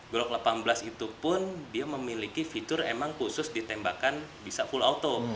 glock delapan belas itu pun dia memiliki fitur emang khusus ditembakan bisa full auto